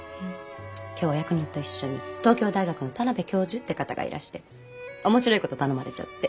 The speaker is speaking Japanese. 今日お役人と一緒に東京大学の田邊教授って方がいらして面白いこと頼まれちゃって。